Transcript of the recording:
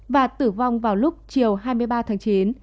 và tử vong vào lúc chiều hai mươi ba tháng chín